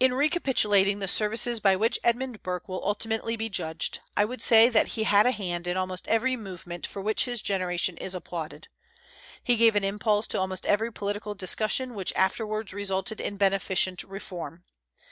In recapitulating the services by which Edmund Burke will ultimately be judged, I would say that he had a hand in almost every movement for which his generation is applauded. He gave an impulse to almost every political discussion which afterwards resulted in beneficent reform.